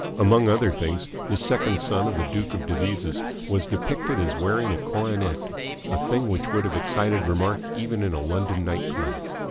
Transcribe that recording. Among other things, the second son of the Duke of Devizes was depicted as wearing a coronet a thing which would have excited remark even in a London night club.